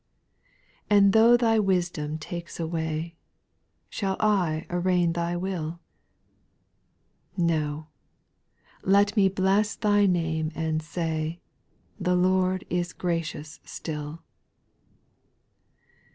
\ 5. And though Thy wisdom takes away, Shall I arraign Thy will ? No 1 let me bless Thy name and say, " The Lord is gracious still."